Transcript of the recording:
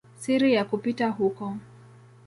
siri na kupita huko.